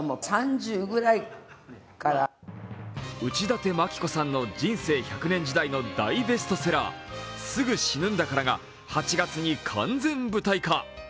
内館牧子さんの人生１００年時代の大ベストセラー、「すぐ死ぬんだから」が８月に完全舞台化。